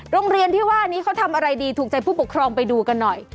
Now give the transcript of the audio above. โรงเรียนที่ว่านี้เขาทำอะไรดีถูกใจผู้ปกครองไปดูกันหน่อย